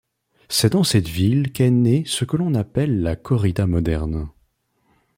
C'est dans cette ville qu'est née ce que l'on appelle la corrida moderne.